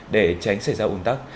để tránh xảy ra ủn tắc